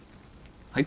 はい？